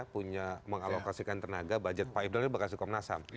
punya mengalokasikan tenaga budget pak ibran ini berkasih komnas ham